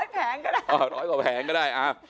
๑๐๐แผงก็ได้อ๋อ๑๐๐กว่าแผงก็ได้อ่า